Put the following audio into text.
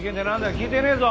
聞いてねえぞ！